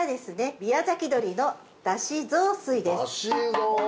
「宮崎鶏のだし雑炊」です。